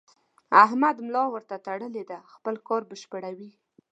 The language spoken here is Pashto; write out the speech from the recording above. احمد ملا ورته تړلې ده؛ خپل کار بشپړوي.